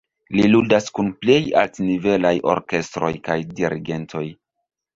Li ludas kun plej altnivelaj orkestroj kaj dirigentoj.